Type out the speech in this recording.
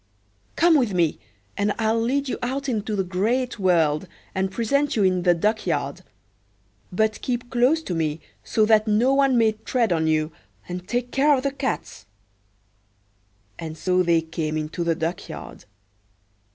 Quack! quack! come with me, and I'll lead you out into the great world, and present you in the duck yard; but keep close to me, so that no one may tread on you, and take care of the cats!"And so they came into the duck yard.